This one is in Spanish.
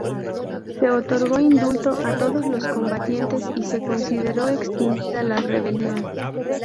Se otorgó indulto a todos los combatientes y se consideró extinguida la rebelión.